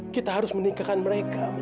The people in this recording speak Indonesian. kita harus menikahkan mereka